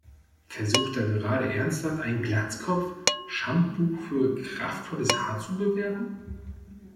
Versucht da gerade ernsthaft ein Glatzkopf, Shampoo für kraftvolles Haar zu bewerben?